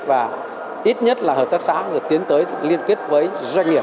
và ít nhất là hợp tác xã tiến tới liên kết với doanh nghiệp